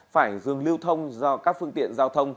phải dừng lưu thông do các phương tiện giao thông